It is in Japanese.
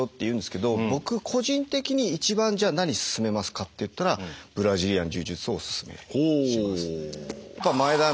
僕個人的に一番じゃあ何勧めますかっていったらブラジリアン柔術をお勧めします。